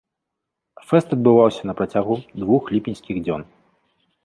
Фэст адбываўся на працягу двух ліпеньскіх дзён.